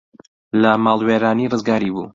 لە ماڵوێرانی ڕزگاری بوو